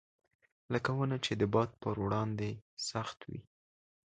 لکه ونه چې د باد پر وړاندې سخت وي.